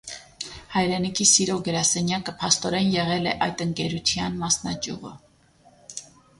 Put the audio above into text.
«Հայրենիքի սիրո գրասենյակը» փաստորեն եղել է այդ ընկերության մասնաճյուղը։